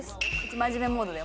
真面目モードだよ